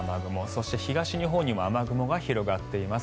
そして東日本にも雨雲が広がっています。